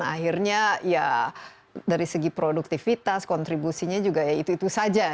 akhirnya ya dari segi produktivitas kontribusinya juga ya itu itu saja